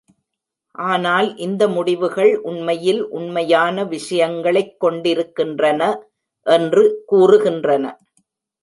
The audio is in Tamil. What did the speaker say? ஆனால் இந்த முடிவுகள் உண்மையில் உண்மையான விஷங்களைக் கொண்டிருக்கின்றன என்று கூறுகின்றன.